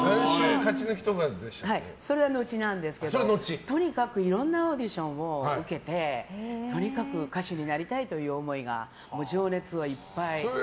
それは後なんですがとにかくいろんなオーディションを受けてとにかく歌手になりたいという思いが、情熱がいっぱい。